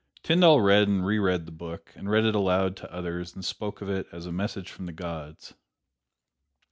Tyndall read and re read the book, and read it aloud to others and spoke of it as a "message from the gods."